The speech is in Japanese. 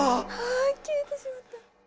あ消えてしまった。